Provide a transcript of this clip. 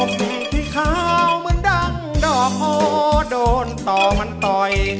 ผมที่ข่าวเหมือนดังด่อโดนต่อมันต่อย